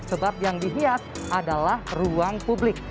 sebab yang dihias adalah ruang publik